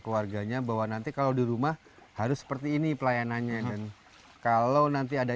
keluarganya bahwa nanti kalau di rumah harus seperti ini pelayanannya dan kalau nanti ada